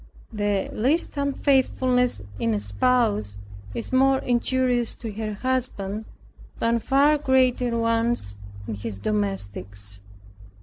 The least unfaithfulness in a spouse is more injurious to her husband, than far greater ones in his domestics.